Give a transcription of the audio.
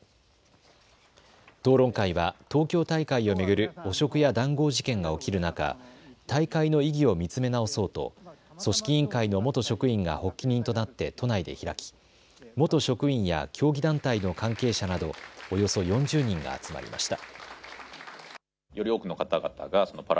討論会は東京大会を巡る汚職や談合事件が起きる中、大会の意義を見つめ直そうと組織委員会の元職員が発起人となって都内で開き元職員や競技団体の関係者などおよそ４０人が集まりました。